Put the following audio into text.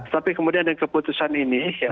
tapi kemudian keputusan ini ya